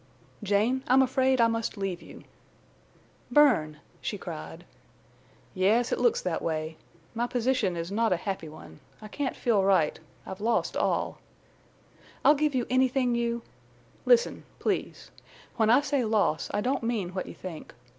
"Jane, I'm afraid I must leave you." "Bern!" she cried. "Yes, it looks that way. My position is not a happy one—I can't feel right—I've lost all—" "I'll give you anything you—" "Listen, please. When I say loss I don't mean what you think.